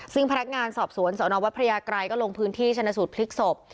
ซึ่งพนักงานสอบสวนสนวัดพระยากรัยก็ลงพื้นที่ชนะสูตรพลิกศพ